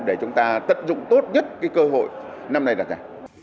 để chúng ta tận dụng tốt nhất cái cơ hội năm nay đặt ra